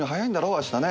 明日ね。